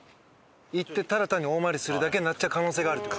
行ってただ単に大回りするだけになっちゃう可能性があるって事？